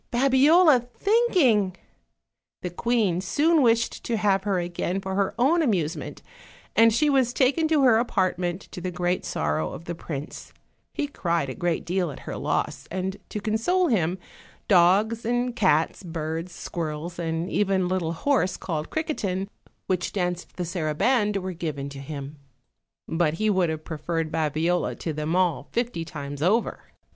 Babiola OLD, OLD FAIRY TALES. thinking!" The queen soon wished to have her again for her own amusement, and she was taken to her apart ment, to the great sorrow of the prince; he cried a great deal at her loss, and to console him, dogs and cats, birds, squirrels, and even a little horse called Criquetin, which danced the saraband, were given to him; but he would have preferred Babiola to them all fifty times over.